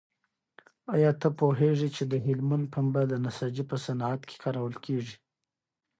ایا ته پوهېږې چې د هلمند پنبه د نساجۍ په صنعت کې کارول کېږي؟